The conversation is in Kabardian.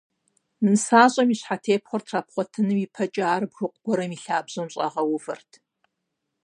НысащӀэм и щхьэтепхъуэр трапхъуэтын ипэкӀэ ар бгыкъу гуэрым и лъабжьэм щӀагъэувэрт.